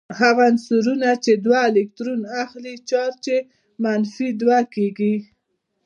هغه عنصرونه چې دوه الکترونونه اخلې چارج یې منفي دوه کیږي.